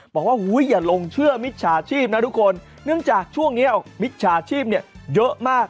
บอกว่าอย่าลงเชื่อมิจฉาชีพนะทุกคนเนื่องจากช่วงนี้มิจฉาชีพเนี่ยเยอะมาก